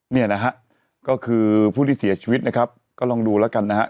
นี่นะครับก็คือผู้ที่เสียชีวิตนะครับก็ลองดูละกันนะครับ